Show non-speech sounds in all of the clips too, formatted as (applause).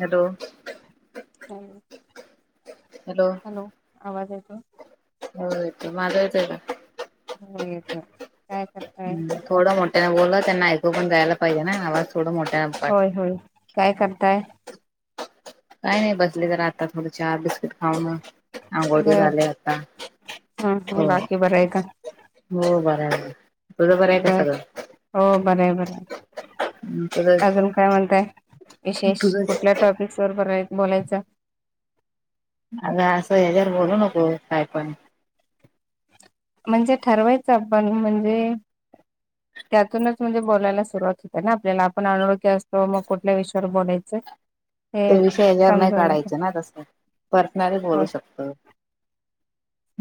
Hello. Hello. Hello. Hello आवाज येतोय? हो येतोय. माझा येतोय का? हो येतोय काय करताय? हम् थोडं मोठ्याने बोला त्यांना ऐकू पण जायला पाहिजे ना आवाज थोड मोठ्या होय होय. काय करताय? काय नाय बसले जरा आत्ताच थोडं चहा बिस्किट खाऊनं. आंघोळ ते बर. झाले आत्ता हम्म हो. बाकी बरं आहे का? हो बराय. बर हो बराय बरायं. तुझं अजून काय म्हणताय विशेष तुझंच कुठल्या टॉपिक्स सुरू कराय बोलायचं? अग असं हेज्यावर बोलू नको काय पण. म्हणजे ठरवायचं आपण म्हणजे (inaudible) त्यातूनच म्हणजे बोलायला सुरुवात हुतीया ना आपल्याला आपण अनोळखी असतो मग कुठल्या विषयावर बोलायचं? ते हे विषय हेच्यावर नाय समजून येत काढायचे ना तसंले पर्सनल बोलू हो शकतो.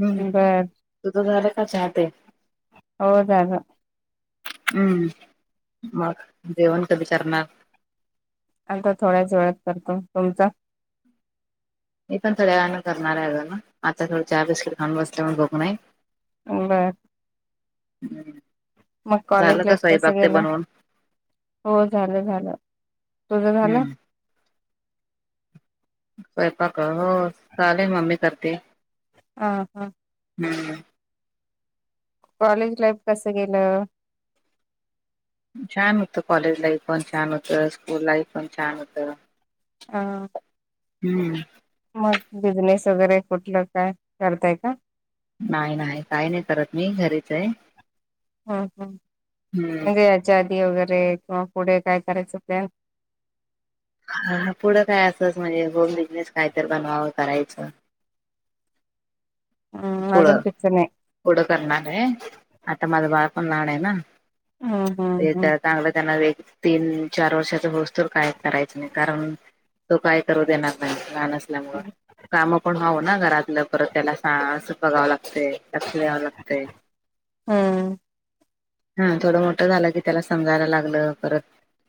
हम्म बरं. तुझं झालय का चहा ते? हो झाल. हम्म मग जेवण कधी करणार? आता थोड्याच वेळात करतो. तुमचा? मी पण थोड्या वेळान करणाराय आजुन आत्ता थोड चहा बिस्किट खाऊ बसल्यामुळ भूक नाय. बर. (inaudible) मग झालं कॉलेज का लाईफ कस स्वयंपाक ते गेलं बनवून हो झालं झालं तुझं झालं? हम्म स्वयंपाक हो चाले मम्मी करते. हा हा. हम्म. कॉलेज लाईफ कसं गेलं? छान हुतं कॉलेज लाईफ पण छान हुतं स्कूल लाईफ पण छान होत. अ हम्म. मग बिझनेस वगैरे कुठलं काय करताय का? नाय नाय काय नाय करत मी घरीच हाय. हा पण हम्म म्हणजे याच्या आदी वगैरे किंवा पुढे काय करायचं प्लॅन? हा म पुढं काय असंच म्हणजे होम बिझनेस काय तर बनवावं करायचं. हम् अजून पुढं फिक्स नाय? पुढं करणार आय आता माझ बाळ पण लहान आय ना. हा ते जाऊदे. चांगलं त्यांना एक तीन चार वर्षाच होस तोर काय करायचं नाय कारण तो काय करू देणार नाही लहान असल्या मूळ काम पण हवं ना घरातलं परत त्याला सास बघावं लागतय. (inaudible) लागतय. हम्म हा थोडं मोठं झालं की त्याला समजायला लागलं परत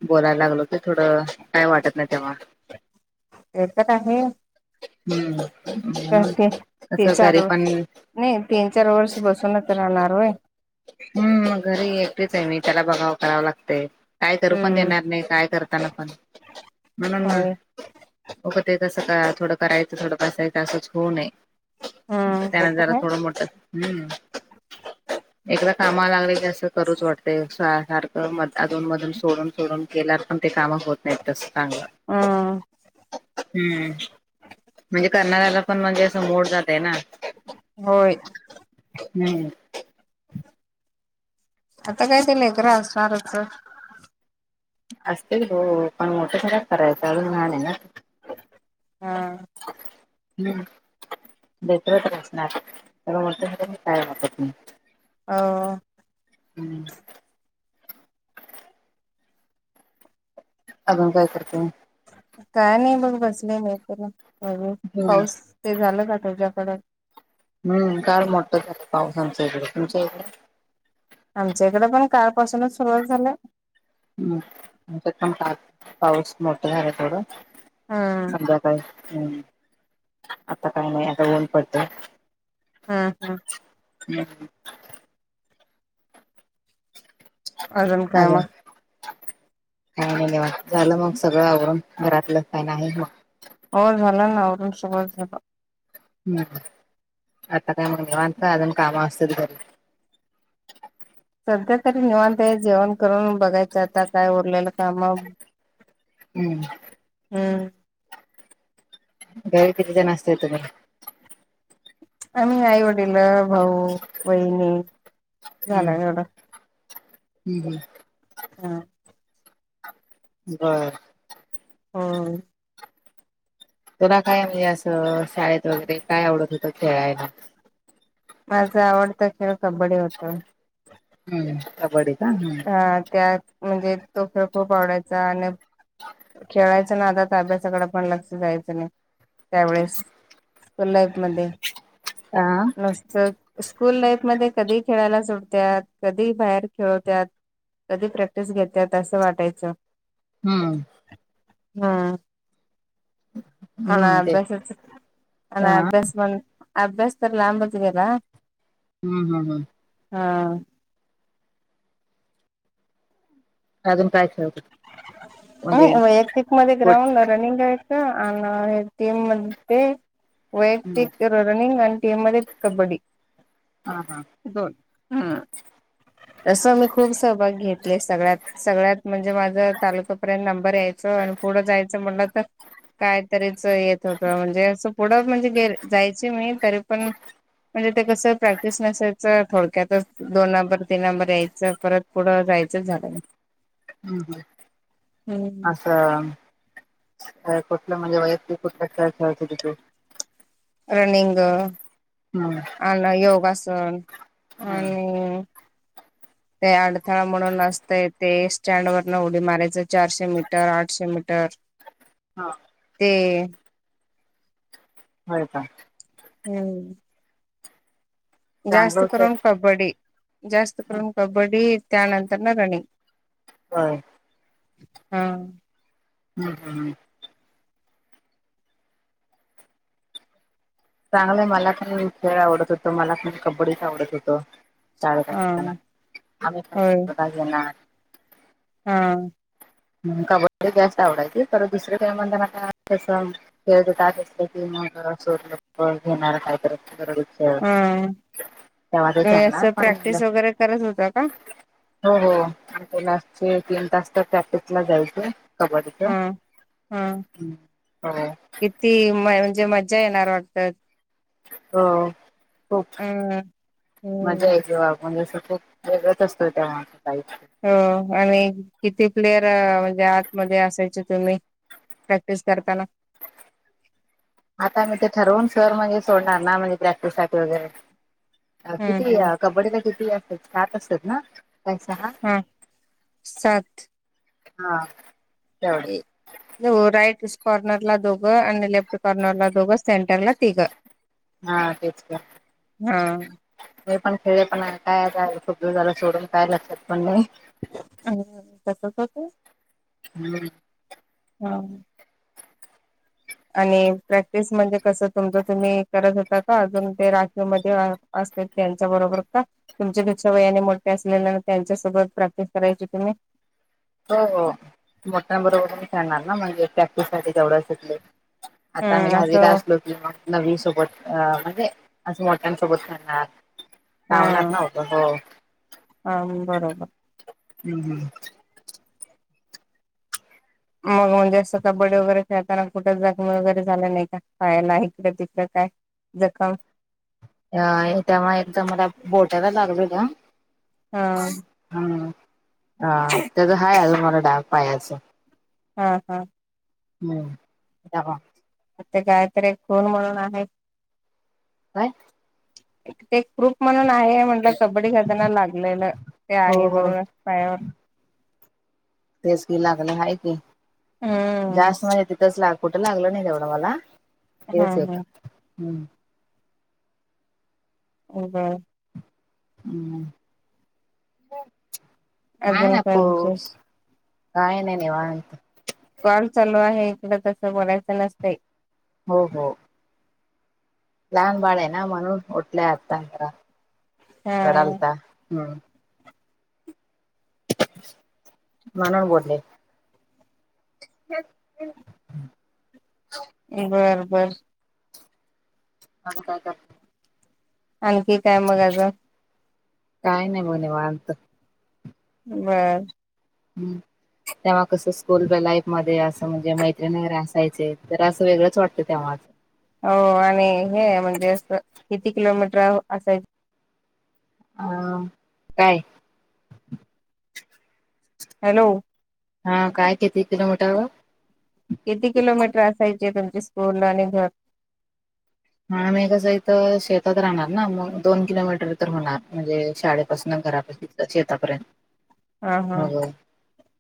बोलायला लागलो की थोडं काय वाटत नाही तेव्हा ते तर आहे हम्म तर ते ते तं चार घरी व पण नाही तीन चार वर्ष बसूनच राहणारय (unintelligible) हम् घरी एकटच आहे मी त्याला बघावं कराव लागतय. काय करू पण हम्म देणार नाही. काय करताना पण म्हणून होय होगं ते तसं करा थोडं करायचं थोडं बसायचं असंच होऊ नये- हम्म ते त्यान तर जरा आहे थोडं मोठ हम्म. एकदा कामाला लागले की असं करूच वाटते सारख. म अधून मधून सोडून सोडून केल्यावर पण ते काम होत नाहीत तस चांगलं. हम्म हम्म म्हणजे करणाऱ्याला पण म्हणजे असं मोड जाते ना. होय. हम्म. आता काय तेलंय गरा असणारारच. असतील हो पण मोठे मोठ्या करायचं अजून लहानयेना. हा. हम् बटरत असणार. त्या काय वातत नाही (inaudible) ह. हम्म. अून काय‌ करते. काय नाही बघ बसले मी तला हम्म पाऊस ते झालं का तुझ्याकड हम् काल मोठं झालं पावसाांच इकडे तुमच्या इकडे आमच्या इकडे पण काळपासूनच सुरुवात झालं. हम् आच्यात पण पा पाऊस मोठा झाला थोड हम्म सध्या का हम् आता काय नाही आता ऊन पडत. हा हा. हम् (inaudible) अजून कायमग? काय नीवांत झालं मग सगळं आवरून घरातलं काय नाही मग. हो झाला ना औरून सुोबत झालं. हम्म आता काय मग निवांत काय अजून काम असतील तर सध्या तरी निवांत आहे जेवण करून बघायच आता काय उरलेलं काम हम्म. हम्म. घरी किती जण असताय तुम्ही आम्ही आई वडील भाऊ बहिणी हम्म झालं एवढं. हम्म हम्म. हा. बर. होय. तुला काय म्हणजे असं शाळेत वगैरे काय आवडत होत खेळायला. माझा आवडता खेळ कबड्डी होत. हम्म कब्बडी का हम्म. हा त्यात म्हणजे तो खेळ खूप आवडायचा. आणि खेळायचं नादात अभ्यासाकड पण लक्ष जायचं नाही त्यावेळेस स्कूल लाईफ मध्ये. हा नुसत स्कूल लाईफमध्ये कधी खेळायला सोडत्यात. कधी बाहेर खेळवत्यात. कधी प्रॅक्टिस घेत्यात असं वाटायचं. हम्म. हम्म. अन् हम्म ते अभ्यासच अन् हा अभ्यास पण अभ्यास तर लांबच गेला. हम्म हम्म हम्म. हा. अजून काय (unintelligible) म्हणजे वैयक्तिक मध्ये कुठ ग्राउंने रनिंगे. हा आन्ना आणि ते म्हणते. हम्म वैयक्तिक रनिंग. आणि टीममध्ये कब्बडी. हा हा दोन ह. तसं मी खूप सहभाग घेतलेत सगळ्यात. सगळ्यात म्हणजे माझं तालुकापर्यंत नंबर यायचं. आणि पुढं जायचं म्हणलं त काय तरीच येत होतं. म्हणजे असं पुढं म्हणजेे जायची मी तरी पण. म्हणजे ते कसं प्रॅक्टिस नसायचं. थोडक्यातच दोन नंबर तीन नंबर यायचं. परत पुढं जायचंच झालं नाही. हम्म हम्म. हम्म. अ कुठलं म्हणजे वैक्तिक कुठल खेळ खेळत होती तू? रनिंग. हम्म आन योगासन हम्म आणि (inaudible) ते अडथळा म्हणून असतंय ते. स्टँड वरन उडी मारायचं चारशे मीटर आठशे मीटर. (inaudible) ते. होय का? हम्म. चांगलं जास्त होतं करून कबड्डी. जास्त करून कबड्डीन त्यानंतर न रनिंग. होय. ह. हम्म हम्म. चांगलंय मला ख खेळ आवडत होत. मला ख कबड्डीच आवडत होत. हा असता आम्ही पण होय (unintelligible) घेणार हा. कबड्डी जास्त आवडायची. तर दुसर काईम म्हणताणा तसं खात असत की मग सर घेणार काय करय (unintelligible) हो हा त्या असं वाणारणलं प्रॅक्टिस वगैरे करत होता का (inaudible) हो हो लास्टचे तीन तास तर प्रॅक्टिस ला जायचे. कबाडीच्या. हा हो. ती म्हणजे मज्जा येणार वाटतात. हो खूप. (inaudible) मज्जा हम्म. येते तेव्हा आपण जसं खूप वेगळच असतो तेव्हा (unintelligible) हो आणि किती प्लेयर म्हणजे आतमध्ये असायचे तुम्ही? प्रॅक्टिस करताना. आता मी ते ठरवून सर म्हणजे सोडणार ना म्हणजे प्रॅक्टिससाठी वगैरे अ हम्म किती अ हम्म कबड्डी तर किती असतात सात असतात ना. पैसा हा सात हा तेवढ. राईट कॉर्नरला दोघं आणि लेफ्ट कॉर्नरला दोघं सेंटरला तिघं. हा तेच का. हा हे पण खेळ पण काया झालं खूप दिवस झालं सोडून काय लक्षात पण नाही. (unintelligible) तसच होत. हम्म. हा. आणि प्रॅक्टिस म्हणजे कसं तुमचं तुम्ही करत होता का अजून ते राखीवमध्ये असते त्यांच्या बरोबर का. तुमच्या तुमच्या वयाने मोठ्या असलेल्या त्यांच्यासोबत प्रॅक्टिस करायचे तुम्ही. हो मोठ्यां बरोबर पण खळणार ना म्हणजे प्रॅक्टिस साठी जवढं असेल आता आम्ही हम्म दहावीला असं असलो नवी सोबत अ म्हणजे अस मोठ्यांसोबत खळणार हा लावणार ना हो. हो हो. हा बरोबर. हम्म हम्म. मग म्हणजे असं कबड्डी वगैरे खेळताना कुठेच जखमी वगैरे झाले नाही का पायाला इकडं तिकडं काय? (unintelligible) अ तेव्हा एकदा मला बोटाला लागल का. हा. हा हा त्याच हाय अजुन मला डाग पायाच. हा हा. हम्म. (unintelligible) अ ते कायतर एक खून म्हणून आहे. काय? एक ते प्रूफ म्हणून आहे म्हटलं कबड्डी खेताना लागलेलं ते हो आहे हो म्हणून. पायावर. तेच की लागलं आहे की हम्म जास्त मजे तिथंच लाग कुठ लागल नाही तेवढं मला हा तेच एक हा हम्म. हम्म हम्म. हम्म. अजून काय विशेष (unintelligible) काय नाही निवांत. कॉल चालू आहे इकड तसं बोलायचं नसतंय. हो हो. लहान बाळयेना म्हणून उठलाय आता जरा हा रडालता हम्म. मला बोलले. (inaudible) बर बर. अजून काय कर. आणखी काय मग अजून? काय नाही बघ निवांत. बर. हम्म. तेव्हा कसं स्कूल लाईफ मध्ये असं म्हणजे मैत्रिणीगैरे असायचे तर असं वेगळंच वाटतं तेव्हा. हो आणि हे म्हणजे असं किती किलोमीटर असायच. अ, ‌काय? हॅलो! हा काय कती किलोमीटर? किती किलोमीटर असायचे तुमचे स्कूल आणि घर. नाही मी कसं इथ शेतात राहणार ना मग दोन किलोमीटर तर होणार म्हणजे शाळेपासून घरापर्यंत. शेतापर्यंत हा हा मग.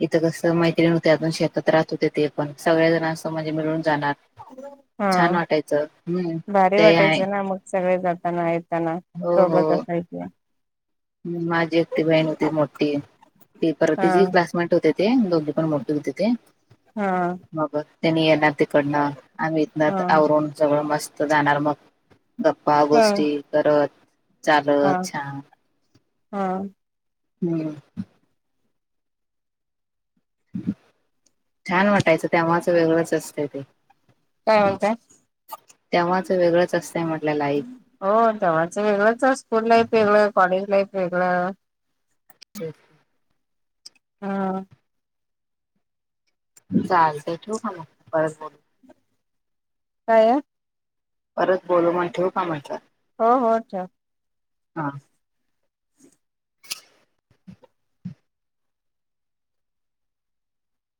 इथं कसं मैत्रीण होत्या, शेतात राहत होते ते पण सगळ्या जणां असं म्हणजे मिळून जाणार. छान वाटायचं, हम्म. घरी ते आहे वाटायचं ना मग सगळे जाताना येताना हो सोबत हो असायच. माझी एकटी बहीण होती मोठी. ति हा पर्टीची क्लासमेट होते ते दोघे पण मोठे होते ते. हा मग त्यांनी येणार तिकडनं आम्ही इथन हा आवरून सगळं मस्त जाणार मग. गप्पा, ह गोष्टी करत हा चालत छान. हा. हम्म. छान वाटायचं तेव्हाचं वेगळंच असत ते. काय म्हणताय? तेव्हाच वेगळंच असतंय म्हटल्या लाईफ. हो तेव्हाचं वेगळंच स्कूल लाईफ वेगळं, कॉलेज लाईफ वेगळं‌ (unintelligible) हा. चालतय ठीऊ का मग परत बोलू. काय? परत बोलू मग ठेवू का म्हणटल? हो हो ठेवा. हां.